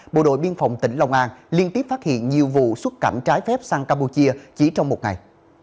bộ đội biên phòng tỉnh long an liên tiếp phát hiện nhiều vụ xuất cảnh trái phép sang campuchia chỉ trong một ngày